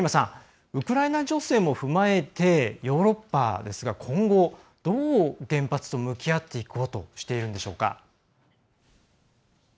ウクライナ情勢も踏まえてヨーロッパですが今後、どう原発と向き合っていこうとしているんでしょうか。